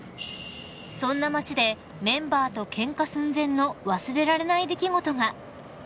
［そんな街でメンバーとケンカ寸前の忘れられない出来事が］